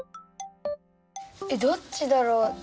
えっどっちだろう？